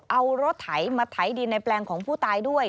เอารถไถมาไถดินในแปลงของผู้ตายด้วย